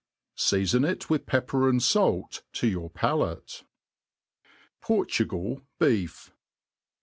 Seafon it vyith pepper and fait to your palate* Portugal Beef.